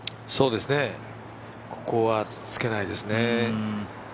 そうですね、ここはつけないですね。